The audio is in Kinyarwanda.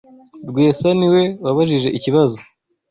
Rwesa ni we wabajije ikibazo.